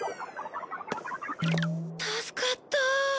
助かった。